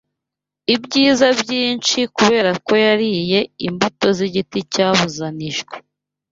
ibyiza byinshi kubera ko yariye imbuto z’igiti cyabuzanijwe